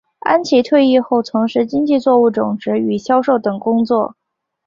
安琦退役后从事经济作物种植与销售等工作。